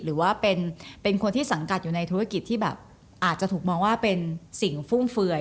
หรือว่าเป็นคนที่สังกัดอยู่ในธุรกิจที่แบบอาจจะถูกมองว่าเป็นสิ่งฟุ่มเฟือย